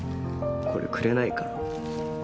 これくれないかなぁ。